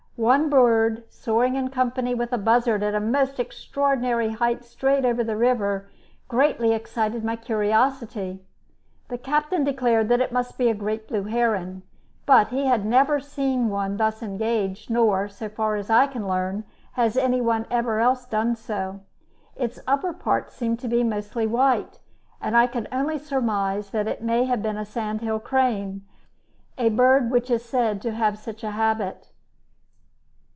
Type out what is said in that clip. One bird, soaring in company with a buzzard at a most extraordinary height straight over the river, greatly excited my curiosity. The captain declared that it must be a great blue heron; but he had never seen one thus engaged, nor, so far as I can learn, has any one else ever done so. Its upper parts seemed to be mostly white, and I can only surmise that it may have been a sandhill crane, a bird which is said to have such a habit.